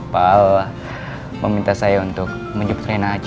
pak al meminta saya untuk menjemput rena aja